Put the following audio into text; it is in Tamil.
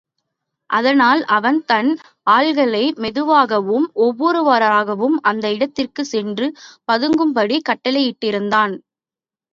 அதனால் அவன் தன் ஆள்களை மெதுவாகவும் ஒவ்வொருவராகவும் அந்த இடத்திற்குச் சென்று பதுங்கும்படி கட்டளையிட்டிருந்தான்.